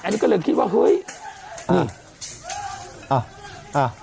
อันนี้ก็เลยคิดว่าเฮ้ยอ่าอ่าอ่า